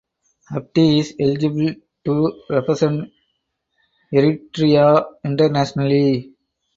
Habte is eligible to represent Eritrea internationally.